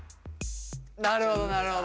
なるほどなるほど。